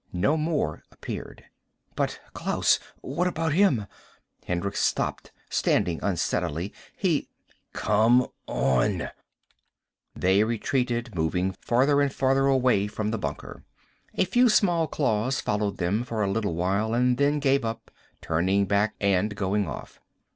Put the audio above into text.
No more appeared. "But Klaus. What about him?" Hendricks stopped, standing unsteadily. "He " "Come on!" They retreated, moving farther and farther away from the bunker. A few small claws followed them for a little while and then gave up, turning back and going off.